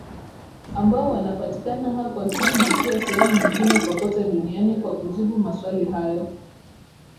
ambao wanapatikana hapo tu na sio sehemu nyingine popote duniani Kwa kujibu maswali hayo